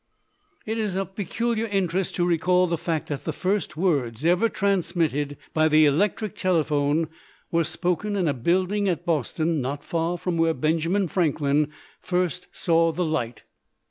It is of peculiar interest to recall the fact that the first words ever transmitted by the electric telephone were spoken in a building at Boston, not far from where Benjamin Franklin first saw the light.